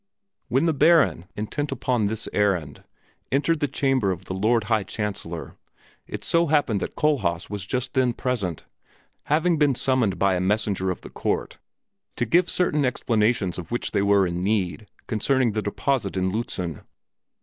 When the Baron, intent upon this errand, entered the chamber of the Lord High Chancellor, it so happened that Kohlhaas was just then present, having been summoned by a messenger of the court to give certain explanations of which they stood in need concerning the deposit in Lützen.